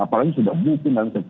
apalagi sudah bukti